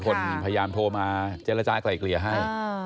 คนพยายามโทรมาเจรจากลายเกลี่ยให้